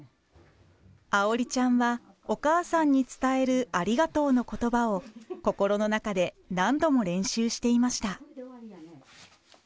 愛織ちゃんはおかあさんに伝えるありがとうの言葉を心の中で何度も練習していました。